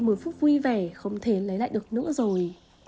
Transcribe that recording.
một phút vui vẻ không thể lấy lại được nữa rồi